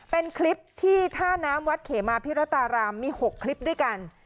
เป็นคลิปที่ท่าน้ำวัดเขมาพิรตารามมี๖คลิปด้วยกัน